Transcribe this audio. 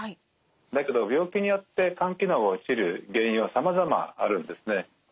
だけど病気によって肝機能が落ちる原因はさまざまあるんですね。